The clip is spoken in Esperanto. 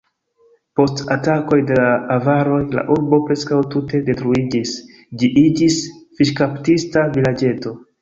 Post atakoj de la avaroj, la urbo preskaŭ tute detruiĝis, ĝi iĝis fiŝkaptista vilaĝeto.